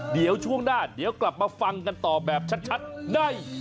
เดี๋ยวช่วงหน้าเดี๋ยวกลับมาฟังกันต่อแบบชัดได้